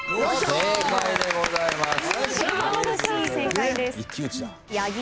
正解でございます。